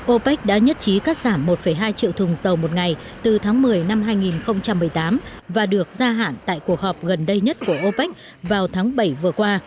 opec đã nhất trí cắt giảm một hai triệu thùng dầu một ngày từ tháng một mươi năm hai nghìn một mươi tám và được gia hạn tại cuộc họp gần đây nhất của opec vào tháng bảy vừa qua